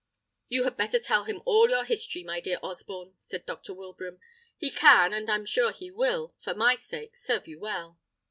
"You had better tell him all your history, my dear Osborne," said Dr. Wilbraham. "He can, and I am sure will, for my sake, serve you well."